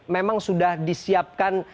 memang sudah disiapkan